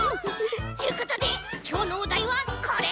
ちゅうことできょうのおだいはこれ！